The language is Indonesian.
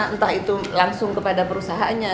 entah itu langsung kepada perusahaannya